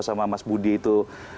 sama mas budi itu